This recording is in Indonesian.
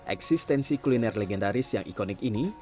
eksistensi kuliner legendaris yang ikonik ini